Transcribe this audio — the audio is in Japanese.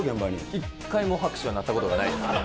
一回も拍手鳴ったことないです。